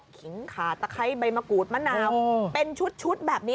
ขิงขาตะไคร้ใบมะกรูดมะนาวเป็นชุดแบบนี้